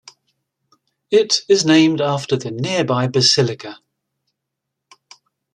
It is named after the nearby basilica.